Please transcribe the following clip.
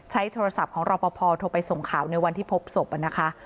ใช้โทรศัพท์ของรอปภโทรไปส่งข่าวในวันที่พบศพนะคะ